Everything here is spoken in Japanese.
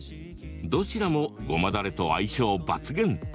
どちらも、ごまだれと相性抜群。